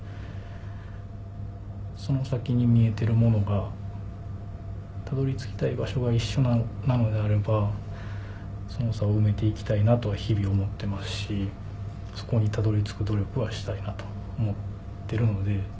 その先に見えてるものがたどり着きたい場所が一緒なのであればその差を埋めて行きたいなとは日々思ってますしそこにたどり着く努力はしたいなと思ってるので。